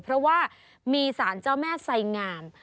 เพราะว่ามีสารเจ้าแม่ไสงาม